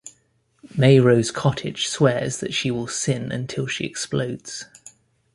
Mae Rose Cottage swears that she will sin until she explodes.